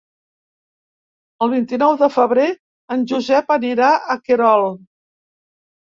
El vint-i-nou de febrer en Josep anirà a Querol.